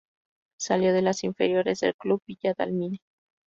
Salio de las inferiores del Club Villa Dálmine.